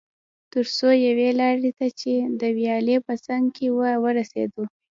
تر څو یوې لارې ته چې د ویالې په څنګ کې وه ورسېدو.